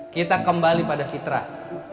kita kembali pada fitrah